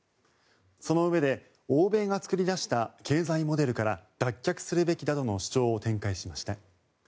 そのうえで欧米が作り出した経済モデルから脱却するべきだとの主張を展開しました。